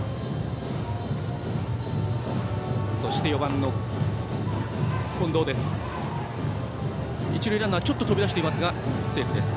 そして、４番の近藤です。